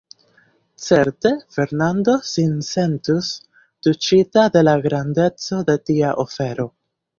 Certe Fernando sin sentus tuŝita de la grandeco de tia ofero.